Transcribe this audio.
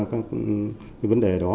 cái vấn đề đó